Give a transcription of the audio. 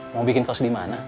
mau bikin cost di mana